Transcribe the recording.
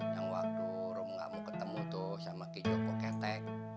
yang waktu rum gak mau ketemu tuh sama kijoko ketek